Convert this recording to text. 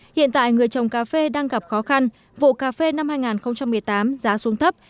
hiện tại người trồng cà phê đang gặp khó khăn vụ cà phê năm hai nghìn một mươi tám giá xuống thấp